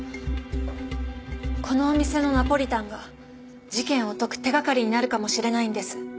このお店のナポリタンが事件を解く手掛かりになるかもしれないんです。